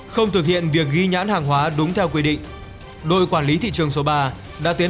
không thực hiện việc ghi nhãn hàng hóa đúng theo quy định đội quản lý thị trường số ba đã tiến